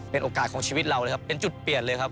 เป็นโอกาสของชีวิตเราเลยครับเป็นจุดเปลี่ยนเลยครับ